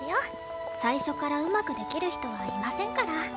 最初からうまくできる人はいませんから。